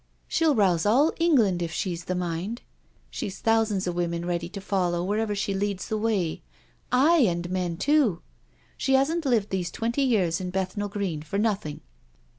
She'll rouse all England if she's the mind. She's thousands of women ready to follow wherever she leads the way — aye, and men too. She hasn't lived these ^twenty years in Bethnal Green for nothing."